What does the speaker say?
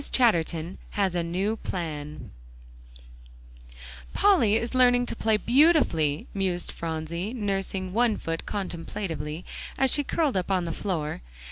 CHATTERTON HAS A NEW PLAN "Polly is learning to play beautifully," mused Phronsie, nursing one foot contemplatively, as she curled up on the floor.